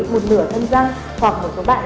một nửa thân răng hoặc một số bạn